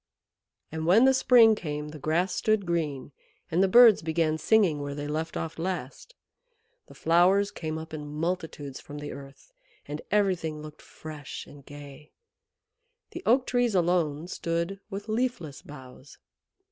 And when the spring came the grass stood green, and the birds began singing where they left off last. The flowers came up in multitudes from the earth, and everything looked fresh and gay. The Oak Trees alone stood with leafless boughs.